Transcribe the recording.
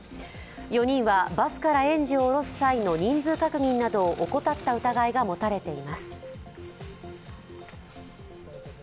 ４人はバスから園児を降ろす際の人数確認を怠った疑いなどが持たれています。